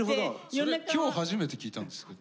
それ今日初めて聞いたんですけど。